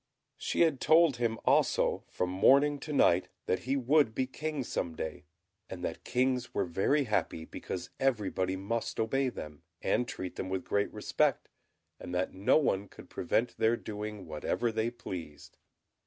She had told him also, from morning to night, that he would be King some day, and that kings were very happy, because everybody must obey them, and treat them with great respect, and that no one could prevent their doing whatever they pleased.